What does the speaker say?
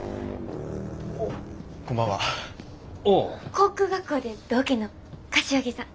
航空学校で同期の柏木さん。